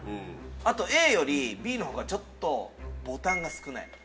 あとＡよりＢのほうがちょっとボタンが少ない。